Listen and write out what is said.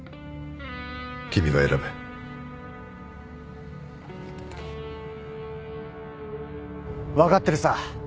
君が選べ分かってるさ。